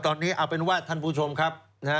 ตอนนี้เอาเป็นว่าท่านผู้ชมครับ